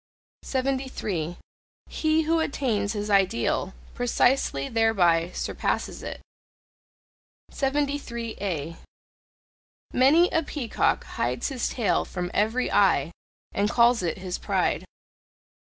73. He who attains his ideal, precisely thereby surpasses it. 73A. Many a peacock hides his tail from every eye and calls it his pride.